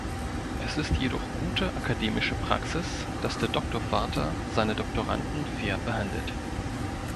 Es ist jedoch gute akademische Praxis, dass der Doktorvater seine Doktoranden fair behandelt.